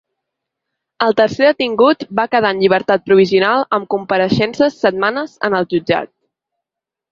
El tercer detingut va quedar en llibertat provisional amb compareixences setmanes en el jutjat.